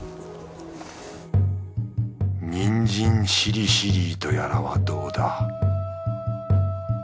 にんじんシリシリーとやらはどうだ？